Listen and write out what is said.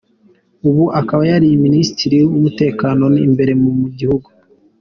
Ubu akaba yari minisitiri w’umutekano imbere mu gihugu.